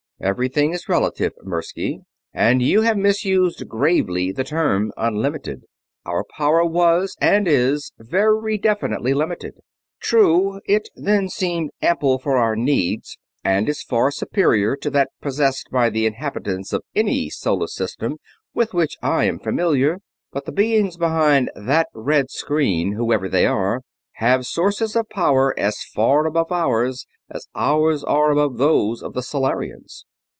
"Everything is relative, Mirsky, and you have misused gravely the term 'unlimited.' Our power was, and is, very definitely limited. True, it then seemed ample for our needs, and is far superior to that possessed by the inhabitants of any solar system with which I am familiar; but the beings behind that red screen, whoever they are, have sources of power as far above ours as ours are above those of the Solarians."